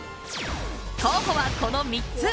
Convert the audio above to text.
候補は、この３つ。